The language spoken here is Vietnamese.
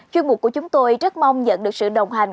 chuyên mục của chúng tôi rất mong nhận được sự đồng hành